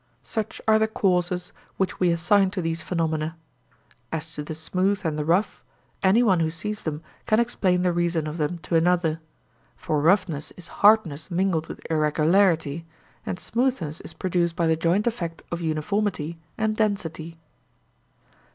Such are the causes which we assign to these phenomena. As to the smooth and the rough, any one who sees them can explain the reason of them to another. For roughness is hardness mingled with irregularity, and smoothness is produced by the joint effect of uniformity and density.